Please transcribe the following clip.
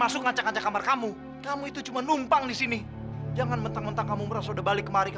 selamat tinggal candy